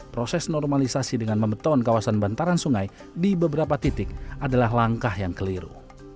proses normalisasi dengan membeton kawasan bantaran sungai di beberapa titik adalah langkah yang keliru